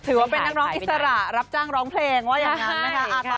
ถือว่าเป็นนักร้องอิสระรับจ้างร้องเพลงว่าอย่างนั้นนะคะ